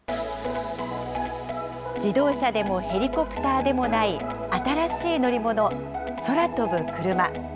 自動車でもヘリコプターでもない新しい乗り物、空飛ぶクルマ。